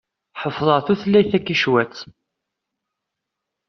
Ḥeffḍeɣ tulayt takičwatt.